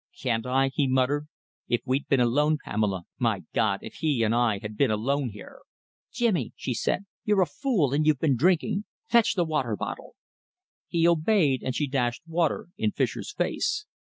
"Can't I?" he muttered. "If we'd been alone, Pamela ... my God, if he and I had been alone here!" "Jimmy," she said, "you're a fool, and you've been drinking. Fetch the water bottle." He obeyed, and she dashed water in Fischer's face.